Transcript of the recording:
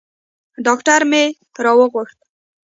ډاکتر مې راوغوښت.